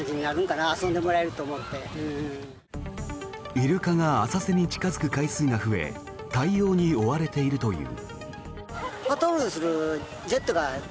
イルカが浅瀬に近付く回数が増え対応に追われているという。